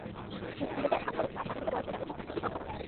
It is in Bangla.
যদি মিলে যায় ভাগ্যরেখা, তাহলে তো বয়সের ব্যবধান তুচ্ছ একটি সংখ্যা মাত্র।